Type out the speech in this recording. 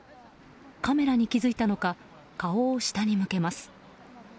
カメラに気付いたのか顔を下に向けます。